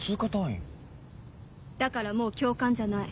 だからもう教官じゃない。